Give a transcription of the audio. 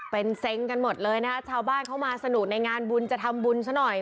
เป็นเซ็งกันหมดเลยนะคะชาวบ้านเข้ามาสนุกในงานบุญจะทำบุญซะหน่อย